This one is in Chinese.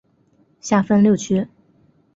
下分六区。